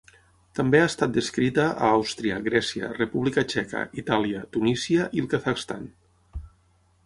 També ha estat descrita a Àustria, Grècia, República Txeca, Itàlia, Tunísia i el Kazakhstan.